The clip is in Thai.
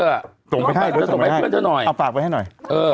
เอาปากให้ให้หน่อย